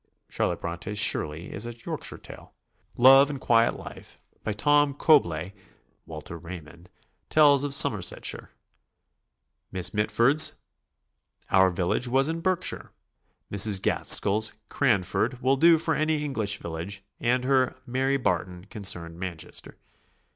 Charlotte Bronte's "Shirley" is a Yorkshire tale. "Love and Quiet Life," by Tom Cobleigh (Walter Raymond), tells of Somersetshire. Miss Mitford's "Our Village" was in Berkshire. Mrs. Gaskell's "Cranford" will do for any English village, and her "M.ary Barton" con cerned Manchester.